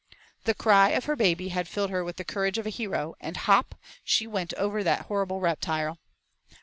The cry of her baby had filled her with the courage of a hero, and hop, she went over that horrible reptile.